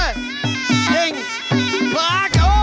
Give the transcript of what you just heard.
เจ๊ลำด้วย